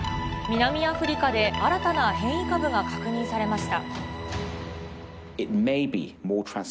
南アフリカで新たな変異株が確認されました。